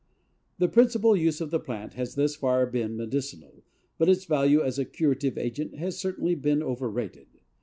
The principal use of this plant has thus far been medicinal, but its value as a curative agent has certainly been overrated.